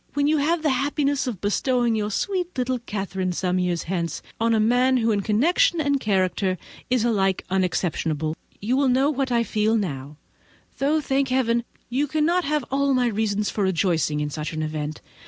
When you have the happiness of bestowing your sweet little Catherine, some years hence, on a man who in connection and character is alike unexceptionable, you will know what I feel now; though, thank Heaven, you cannot have all my reasons for rejoicing in such an event.